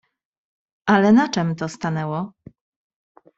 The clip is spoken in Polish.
"Ale na czem to stanęło?"